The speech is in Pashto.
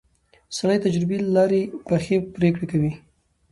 سړی د تجربې له لارې پخې پرېکړې کوي